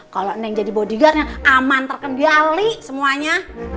kalo neneng jadi bodyguardnya aman terkenjali semuanya